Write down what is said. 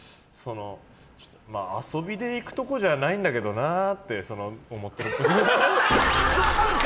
遊びで行くところじゃないんだよなって思ってるっぽい。